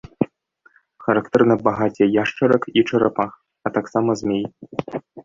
Характэрна багацце яшчарак і чарапах, а таксама змей.